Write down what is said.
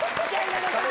稲田さん。